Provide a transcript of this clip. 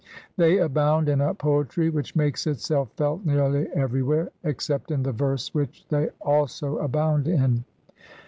They abound in a poetry which makes itself felt nearly everywhere, ex cept in the verse which they also aboimd in.